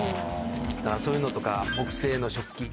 そういうのとか、木製の食器。